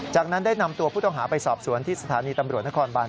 จากนั้นได้นำตัวผู้ต้องหาไปสอบสวนที่สถานีตำรวจนครบาน